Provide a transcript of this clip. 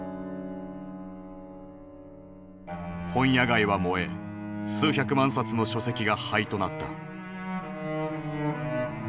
本屋街は燃え数百万冊の書籍が灰となった。